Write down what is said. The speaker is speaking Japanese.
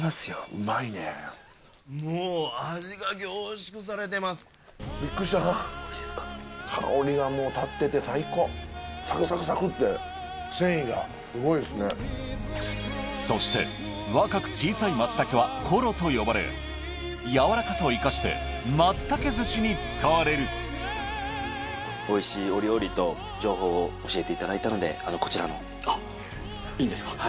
うまいねもう味が凝縮されてますびっくりした香りがもう立ってて最高サクサクサクッて繊維がすごいすねそして若く小さい松茸はコロと呼ばれ柔らかさを活かして松茸寿しに使われるこちらのあっいいんですか？